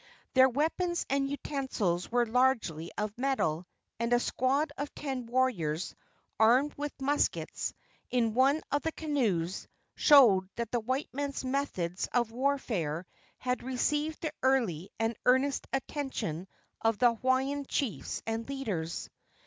Their weapons and utensils were largely of metal, and a squad of ten warriors armed with muskets, in one of the canoes, showed that the white man's methods of warfare had received the early and earnest attention of the Hawaiian chiefs and leaders.